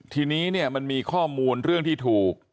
ทีนี้เนี่ยมันมีข้อมูลเรื่องที่ถูก